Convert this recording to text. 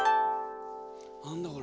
何だこれ？